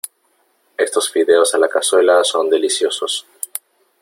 Estos fideos a la cazuela son deliciosos.